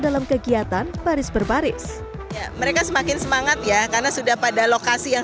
dalam kegiatan baris berbaris mereka semakin semangat ya karena sudah pada lokasi yang